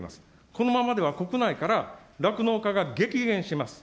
このままでは国内から酪農家が激減します。